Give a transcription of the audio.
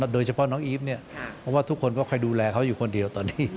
โดยเฉพาะน้องอีฟเนี่ยเพราะว่าทุกคนก็คอยดูแลเขาอยู่คนเดียวตอนนี้